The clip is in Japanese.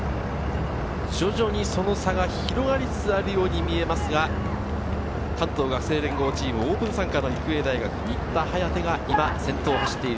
徐々にその差が広がりつつあるように見えますが、関東学生連合チーム、オープン参加の育英大学・新田颯が今、先頭を走っている。